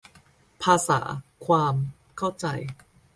ภาษา ความ เข้าใจ